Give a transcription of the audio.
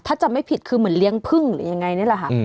ถ้าจำไม่ผิดคือเหมือนเลี้ยงพึ่งหรือยังไงนี่แหละค่ะ